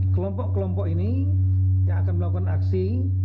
kelompok kelompok ini yang akan melakukan aksi